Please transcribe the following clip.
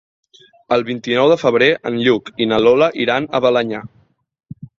El vint-i-nou de febrer en Lluc i na Lola iran a Balenyà.